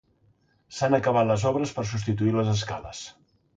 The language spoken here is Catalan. S'han acabat les obres per substituir les escales.